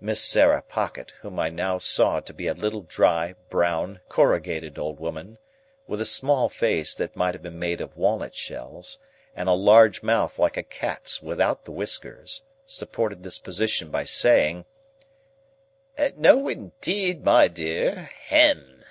Miss Sarah Pocket, whom I now saw to be a little dry, brown, corrugated old woman, with a small face that might have been made of walnut shells, and a large mouth like a cat's without the whiskers, supported this position by saying, "No, indeed, my dear. Hem!"